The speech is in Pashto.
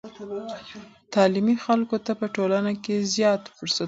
تعلیم خلکو ته په ټولنه کې زیاتو فرصتونو ورکوي.